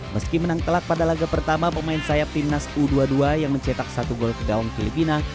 meski menang telak pada laga pertama pemain sayap timnas u dua puluh dua yang mencetak satu gol ke dawang filipina